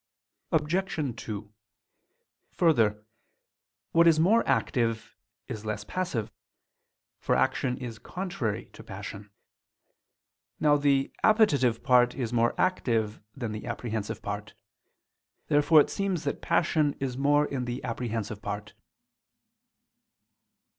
Obj. 2: Further, what is more active is less passive; for action is contrary to passion. Now the appetitive part is more active than the apprehensive part. Therefore it seems that passion is more in the apprehensive part.